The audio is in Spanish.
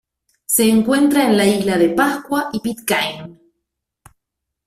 Se encuentra en la Isla de Pascua y Pitcairn.